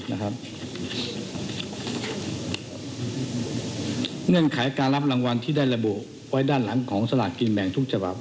เงื่อนไขการรับรางวัลที่ได้ระบุไว้ด้านหลังของสลากกินแบ่งทุกฉบับ